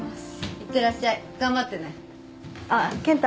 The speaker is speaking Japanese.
いってらっしゃい頑張ってねあっケンタ